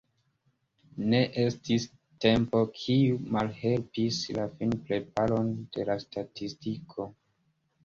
Ne estis "tempo", kiu malhelpis la finpreparon de la statistiko.